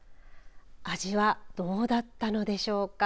味はどうだったのでしょうか。